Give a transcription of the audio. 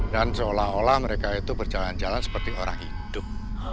dan seolah olah mereka itu berjalan jalan seperti orang hidup